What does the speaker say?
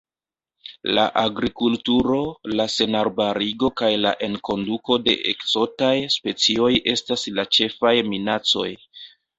La agrikulturo, la senarbarigo kaj la enkonduko de ekzotaj specioj estas la ĉefaj minacoj.